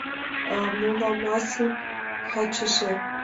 Моламасын качыже